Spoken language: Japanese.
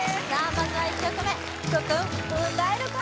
まずは１曲目福くん歌えるか？